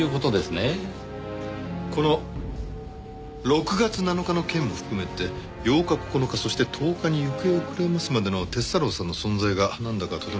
この６月７日の件も含めて８日９日そして１０日に行方をくらますまでの鐵太郎さんの存在がなんだかとても希薄ですね。